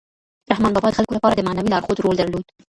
رحمان بابا د خلکو لپاره د معنوي لارښود رول درلود.